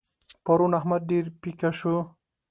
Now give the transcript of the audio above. پرون احمد ډېر پيکه شو.